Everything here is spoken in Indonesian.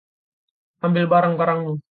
Ambil barang-barangmu.